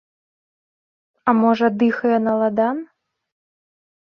А можа, дыхае на ладан?